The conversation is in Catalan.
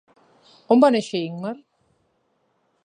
On va néixer Ingmar?